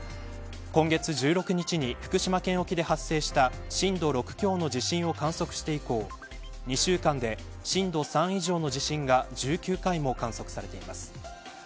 今月１６日に福島県沖で発生した震度６強の地震を観測して以降２週間で震度３以上の地震が１９回も観測されています。